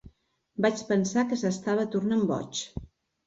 Vaig pensar que s'estava tornant boig.